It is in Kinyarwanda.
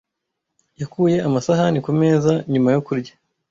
Yakuye amasahani kumeza nyuma yo kurya.